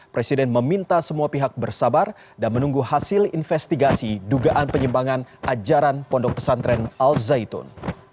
presiden meminta semua pihak bersabar dan menunggu hasil investigasi dugaan penyimpangan ajaran pondok pesantren al zaitun